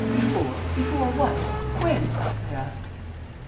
Before what? When?" I asked.